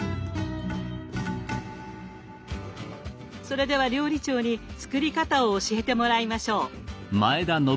それでは料理長に作り方を教えてもらいましょう。